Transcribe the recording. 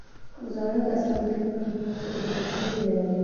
زاړه کسان د خپلو خلکو د خوښۍ هیله لري